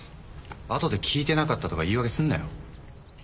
後で聞いてなかったとか言い訳すんなよ？